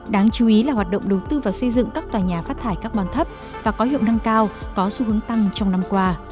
đáng chú ý là hoạt động đầu tư vào xây dựng các tòa nhà phát thải carbon thấp và có hiệu năng cao có xu hướng tăng trong năm qua